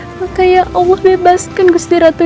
makanya allah bebaskan gusti ratu